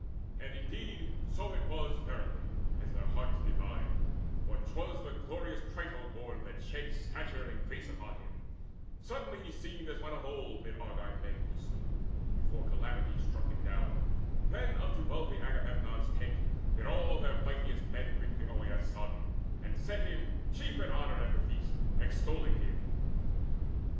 And indeed So was it verily, as their hearts divined; For 'twas the glorious Trito born that shed Stature and grace upon him. Suddenly He seemed as when of old mid Argive men He stood, before calamity struck him down. Then unto wealthy Agamemnon's tent Did all their mightiest men bring Poeas' son, And set him chief in honour at the feast, Extolling him.